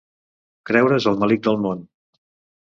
Creure's el melic del món.